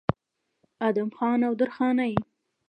ادم خان او درخانۍ